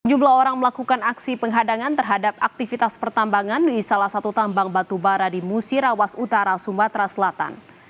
jumlah orang melakukan aksi penghadangan terhadap aktivitas pertambangan di salah satu tambang batubara di musirawas utara sumatera selatan